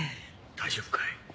大丈夫かい？